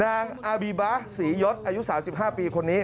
นางอาบีบะศรียศอายุ๓๕ปีคนนี้